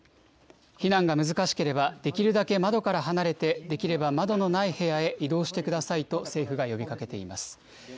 避難が難しければ、できるだけ窓から離れて、できれば窓のない部屋へ移動してくださいと政府が呼びかけています。